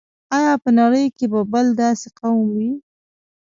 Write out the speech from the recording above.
آیا په نړۍ کې به بل داسې قوم وي.